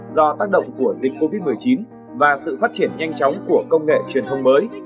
do tác động của dịch covid một mươi chín và sự phát triển nhanh chóng của công nghệ truyền thông mới